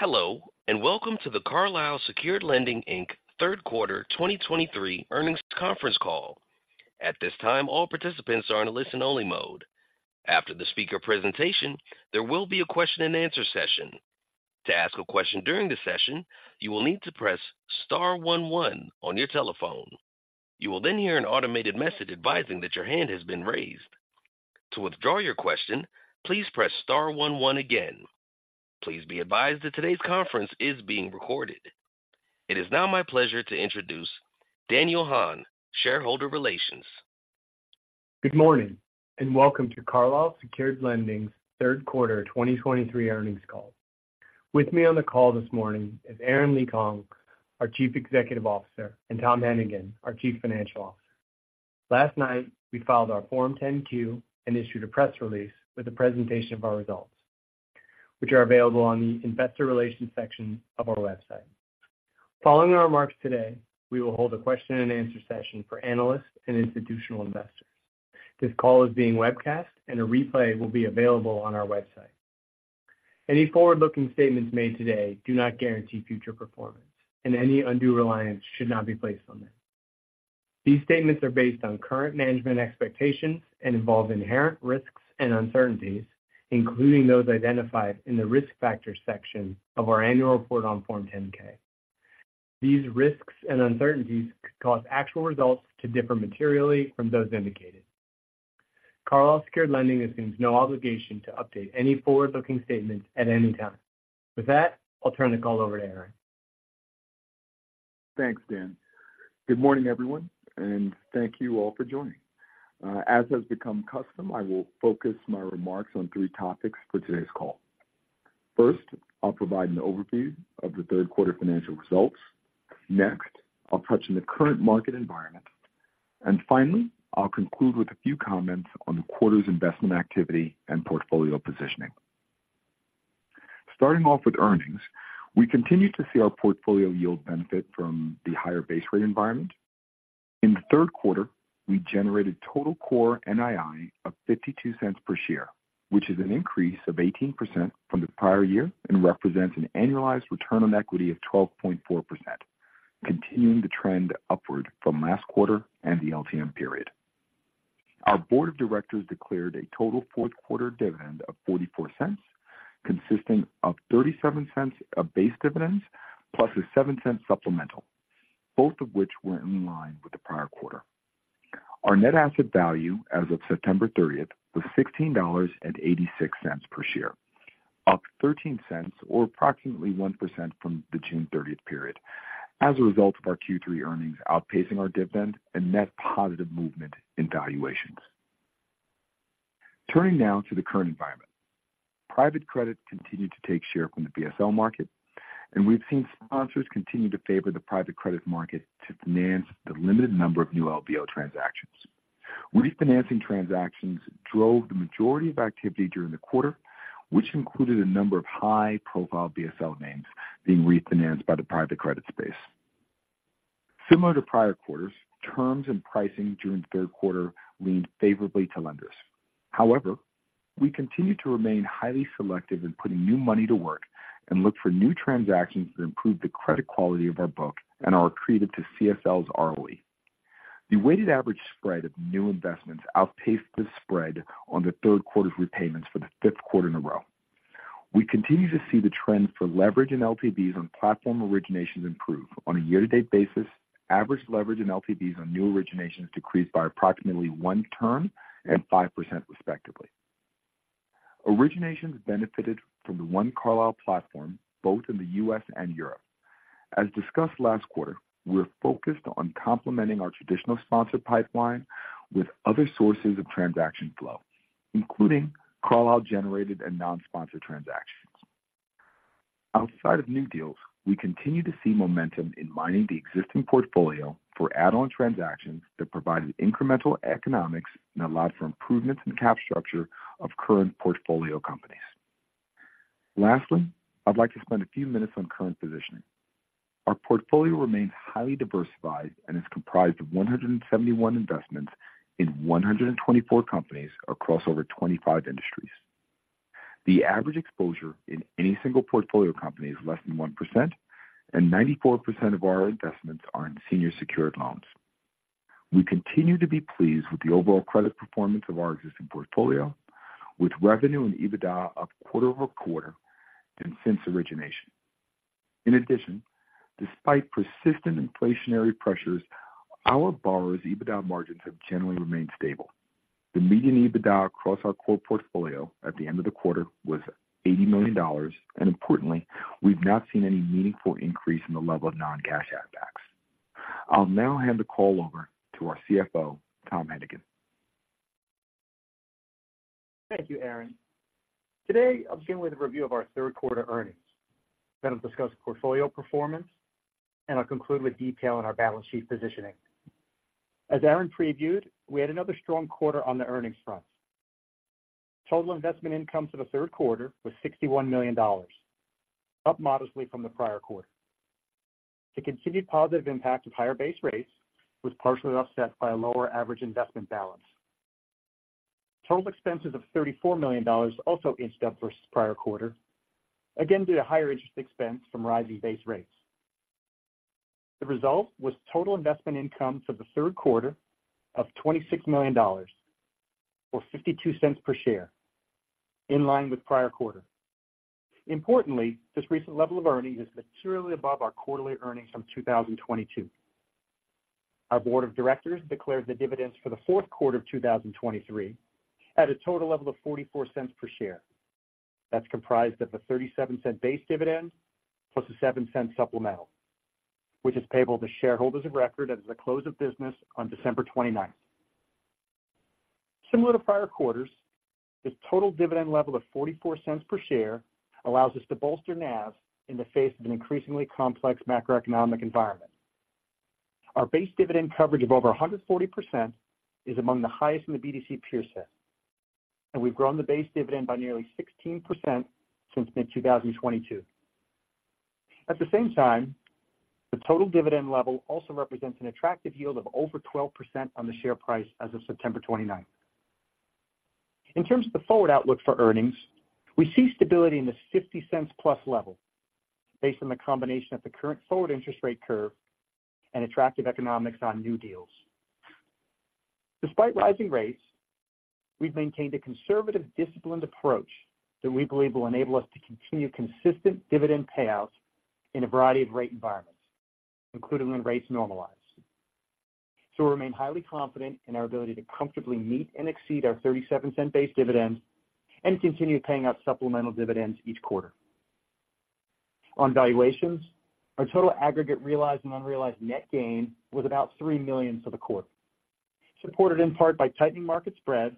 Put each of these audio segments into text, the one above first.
Hello, and welcome to the Carlyle Secured Lending, Inc. Third Quarter 2023 Earnings Conference Call. At this time, all participants are in a listen-only mode. After the speaker presentation, there will be a question-and-answer session. To ask a question during the session, you will need to press star one one on your telephone. You will then hear an automated message advising that your hand has been raised. To withdraw your question, please press star one one again. Please be advised that today's conference is being recorded. It is now my pleasure to introduce Daniel Hahn, Shareholder Relations. Good morning, and welcome to Carlyle Secured Lending's Third Quarter 2023 Earnings Call. With me on the call this morning is Aren LeeKong, our Chief Executive Officer, and Tom Hennigan, our Chief Financial Officer. Last night, we filed our Form 10-Q and issued a press release with a presentation of our results, which are available on the investor relations section of our website. Following our remarks today, we will hold a question-and-answer session for analysts and institutional investors. This call is being webcast, and a replay will be available on our website. Any forward-looking statements made today do not guarantee future performance, and any undue reliance should not be placed on them. These statements are based on current management expectations and involve inherent risks and uncertainties, including those identified in the Risk Factors section of our annual report on Form 10-K. These risks and uncertainties could cause actual results to differ materially from those indicated. Carlyle Secured Lending assumes no obligation to update any forward-looking statements at any time. With that, I'll turn the call over to Aren. Thanks, Dan. Good morning, everyone, and thank you all for joining. As has become custom, I will focus my remarks on three topics for today's call. First, I'll provide an overview of the third quarter financial results. Next, I'll touch on the current market environment. And finally, I'll conclude with a few comments on the quarter's investment activity and portfolio positioning. Starting off with earnings, we continue to see our portfolio yield benefit from the higher base rate environment. In the third quarter, we generated total Core NII of $0.52 per share, which is an increase of 18% from the prior year and represents an annualized return on equity of 12.4%, continuing the trend upward from last quarter and the LTM period. Our board of directors declared a total fourth quarter dividend of $0.44, consisting of $0.37 of base dividends plus a $0.07 supplemental, both of which were in line with the prior quarter. Our net asset value as of September thirtieth was $16.86 per share, up $0.13, or approximately 1% from the June 30th period, as a result of our Q3 earnings outpacing our dividend and net positive movement in valuations. Turning now to the current environment. Private credit continued to take share from the BSL market, and we've seen sponsors continue to favor the private credit market to finance the limited number of new LBO transactions. Refinancing transactions drove the majority of activity during the quarter, which included a number of high-profile BSL names being refinanced by the private credit space. Similar to prior quarters, terms and pricing during the third quarter leaned favorably to lenders. However, we continue to remain highly selective in putting new money to work and look for new transactions that improve the credit quality of our book and are accretive to CSL's ROE. The weighted average spread of new investments outpaced the spread on the third quarter's repayments for the fifth quarter in a row. We continue to see the trend for leverage in LTVs on platform originations improve. On a year-to-date basis, average leverage in LTVs on new originations decreased by approximately one turn and 5%, respectively. Originations benefited from the One Carlyle platform, both in the U.S. and Europe. As discussed last quarter, we're focused on complementing our traditional sponsor pipeline with other sources of transaction flow, including Carlyle-generated and non-sponsor transactions. Outside of new deals, we continue to see momentum in mining the existing portfolio for add-on transactions that provided incremental economics and allowed for improvements in the cap structure of current portfolio companies. Lastly, I'd like to spend a few minutes on current positioning. Our portfolio remains highly diversified and is comprised of 171 investments in 124 companies across over 25 industries. The average exposure in any single portfolio company is less than 1%, and 94% of our investments are in senior secured loans. We continue to be pleased with the overall credit performance of our existing portfolio, with revenue and EBITDA up quarter-over-quarter and since origination. In addition, despite persistent inflationary pressures, our borrowers' EBITDA margins have generally remained stable. The median EBITDA across our core portfolio at the end of the quarter was $80 million, and importantly, we've not seen any meaningful increase in the level of non-cash add-backs. I'll now hand the call over to our CFO, Tom Hennigan. Thank you, Aren. Today, I'll begin with a review of our third quarter earnings. Then I'll discuss portfolio performance, and I'll conclude with detail on our balance sheet positioning. As Aren previewed, we had another strong quarter on the earnings front. Total investment income for the third quarter was $61 million, up modestly from the prior quarter. The continued positive impact of higher base rates was partially offset by a lower average investment balance. Total expenses of $34 million also inched up versus prior quarter, again, due to higher interest expense from rising base rates. The result was total investment income for the third quarter of $26 million, or $0.52 per share, in line with prior quarter. Importantly, this recent level of earnings is materially above our quarterly earnings from 2022. Our board of directors declared the dividends for the fourth quarter of 2023 at a total level of $0.44 per share. That's comprised of a $0.37 base dividend plus a $0.07 supplemental, which is payable to shareholders of record at the close of business on December 29. Similar to prior quarters, this total dividend level of $0.44 per share allows us to bolster NAV in the face of an increasingly complex macroeconomic environment. Our base dividend coverage of over 140% is among the highest in the BDC peer set, and we've grown the base dividend by nearly 16% since mid-2022. At the same time, the total dividend level also represents an attractive yield of over 12% on the share price as of September 29. In terms of the forward outlook for earnings, we see stability in the $0.50+ level based on the combination of the current forward interest rate curve and attractive economics on new deals. Despite rising rates, we've maintained a conservative, disciplined approach that we believe will enable us to continue consistent dividend payouts in a variety of rate environments, including when rates normalize. So we remain highly confident in our ability to comfortably meet and exceed our $0.37 base dividends and continue paying out supplemental dividends each quarter. On valuations, our total aggregate realized and unrealized net gain was about $3 million for the quarter, supported in part by tightening market spreads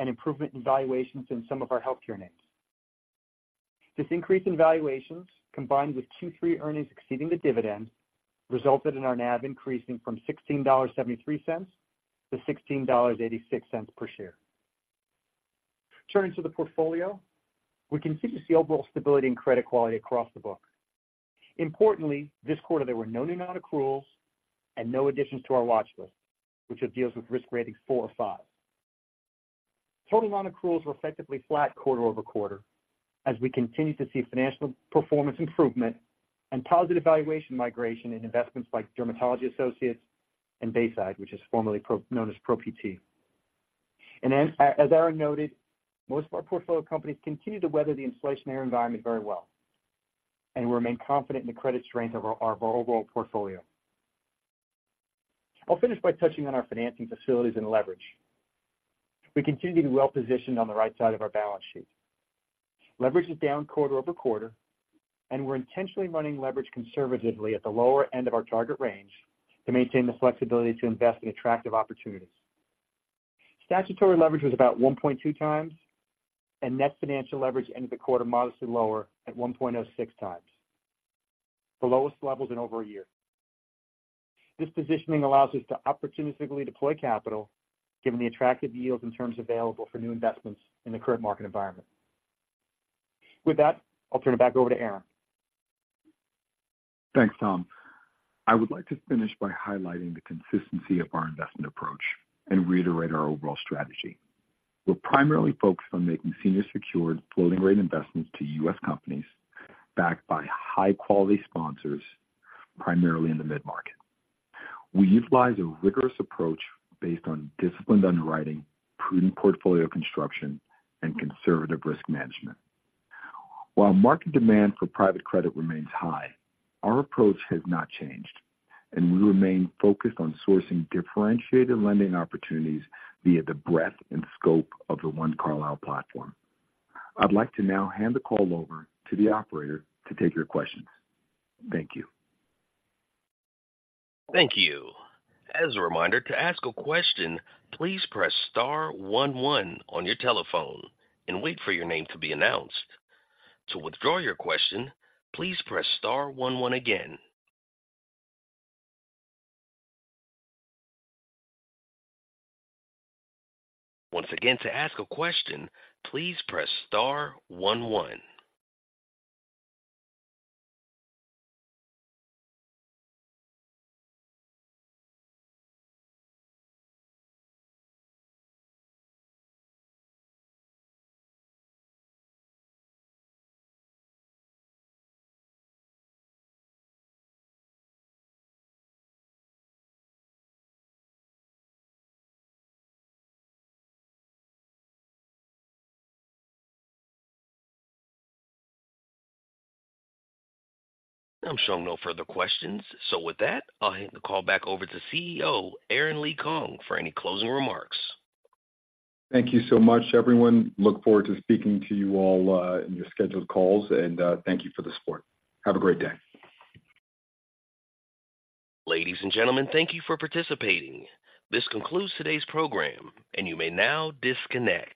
and improvement in valuations in some of our healthcare names. This increase in valuations, combined with Q3 earnings exceeding the dividend, resulted in our NAV increasing from $16.73-$16.86 per share. Turning to the portfolio, we continue to see overall stability and credit quality across the book. Importantly, this quarter there were no new non-accruals and no additions to our watch list, which are deals with risk ratings four or five. Total non-accruals were effectively flat quarter-over-quarter as we continue to see financial performance improvement and positive valuation migration in investments like Dermatology Associates and Bayside, which is formerly known as Pro PT. And then, as Aren noted, most of our portfolio companies continue to weather the inflationary environment very well, and we remain confident in the credit strength of our overall portfolio. I'll finish by touching on our financing facilities and leverage. We continue to be well-positioned on the right side of our balance sheet. Leverage is down quarter-over-quarter, and we're intentionally running leverage conservatively at the lower end of our target range to maintain the flexibility to invest in attractive opportunities. Statutory leverage was about 1.2 times, and net financial leverage ended the quarter modestly lower at 1.06 times, the lowest levels in over a year. This positioning allows us to opportunistically deploy capital, given the attractive yields and terms available for new investments in the current market environment. With that, I'll turn it back over to Aren. Thanks, Tom. I would like to finish by highlighting the consistency of our investment approach and reiterate our overall strategy. We're primarily focused on making senior secured floating rate investments to U.S. companies backed by high-quality sponsors, primarily in the mid-market. We utilize a rigorous approach based on disciplined underwriting, prudent portfolio construction, and conservative risk management. While market demand for private credit remains high, our approach has not changed, and we remain focused on sourcing differentiated lending opportunities via the breadth and scope of the One Carlyle platform. I'd like to now hand the call over to the operator to take your questions. Thank you. Thank you. As a reminder, to ask a question, please press star one, one on your telephone and wait for your name to be announced. To withdraw your question, please press star one, one again. Once again, to ask a question, please press star one one. I'm showing no further questions. With that, I'll hand the call back over to CEO Aren LeeKong, for any closing remarks. Thank you so much, everyone. Look forward to speaking to you all, in your scheduled calls, and, thank you for the support. Have a great day. Ladies and gentlemen, thank you for participating. This concludes today's program, and you may now disconnect.